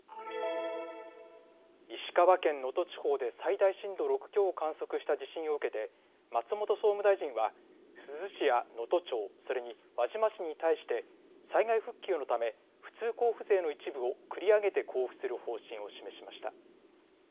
石川県能登地方で最大震度６強を観測した地震を受けて松本総務大臣は珠洲市や能登町、それに輪島市に対して災害復旧のため普通交付税の一部を繰り上げて交付する方針を示しました。